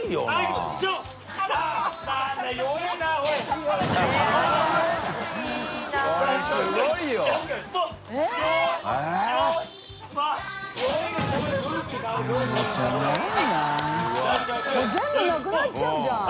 これ全部なくなっちゃうじゃん。